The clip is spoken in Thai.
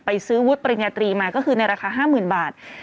ซื้อวุฒิปริญญาตรีมาก็คือในราคา๕๐๐๐บาท